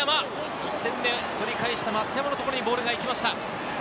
１点目取り返した増山のところにボールが行きました。